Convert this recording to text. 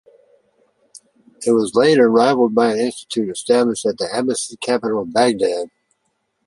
It was later rivalled by an institute established at the Abbasid capital of Baghdad.